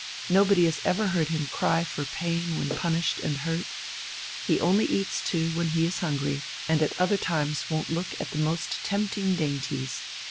Nobody has ever heard him cry for pain when punished and hurt. He only eats, too, when he is hungry, and at other times won't look at the most tempting dainties.